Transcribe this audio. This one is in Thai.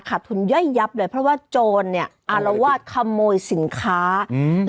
ทุนย่อยยับเลยเพราะว่าโจรเนี้ยอารวาสขโมยสินค้าอืม